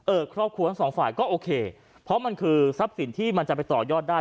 ครอบครัวทั้งสองฝ่ายก็โอเคเพราะมันคือทรัพย์สินที่มันจะไปต่อยอดได้